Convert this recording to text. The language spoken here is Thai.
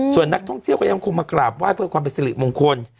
ส่วนนักท่องเที่ยวก็ยังคงมากราบไหว้เพื่อความเป็นสิริมงคล